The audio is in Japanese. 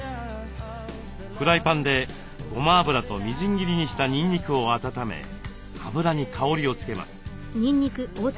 フライパンでごま油とみじん切りにしたにんにくを温め油に香りをつけます。